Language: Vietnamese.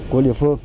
của địa phương